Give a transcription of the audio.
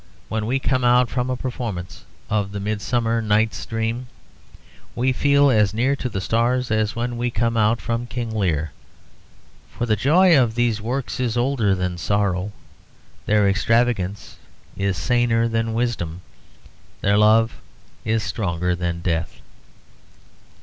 When we come out from a performance of the 'Midsummer Night's Dream' we feel as near to the stars as when we come out from 'King Lear.' For the joy of these works is older than sorrow, their extravagance is saner than wisdom, their love is stronger than death.